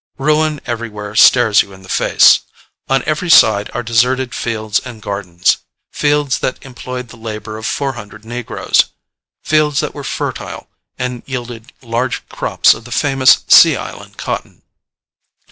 Ruin everywhere stares you in the face: on every side are deserted fields and gardens fields that employed the labor of four hundred negroes; fields that were fertile and yielded large crops of the famous "Sea Island cotton."